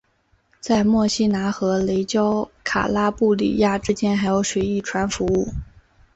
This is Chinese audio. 在墨西拿和雷焦卡拉布里亚之间还有水翼船服务。